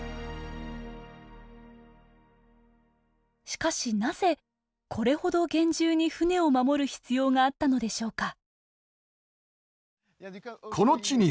しかしなぜこれほど厳重に船を守る必要があったのでしょうか。